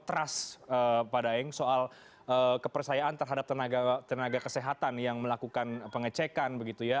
faktor trust padaeng soal kepercayaan terhadap tenaga kesehatan yang melakukan pengecekan begitu ya